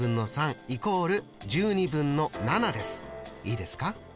いいですか？